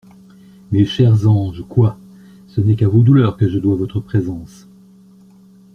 Mes chers anges, quoi ! ce n'est qu'à vos douleurs que je dois votre présence.